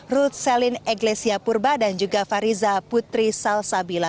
ruth selin eclesia purba dan juga fariza putri salsabila